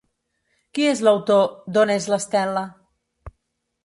Qui és l'autor d'On és l'Estel·la?